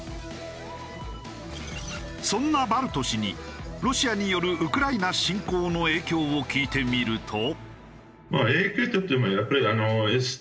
そんな把瑠都氏にロシアによるウクライナ侵攻の影響を聞いてみると。